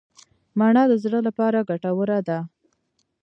مڼه د زړه لپاره ګټوره ده.